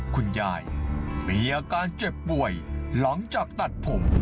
คุณยายมีอาการเจ็บป่วยหลังจากตัดผม